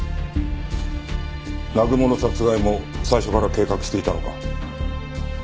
南雲の殺害も最初から計画していたのか？